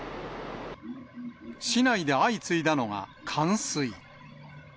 市内で相次いだのが、冠水。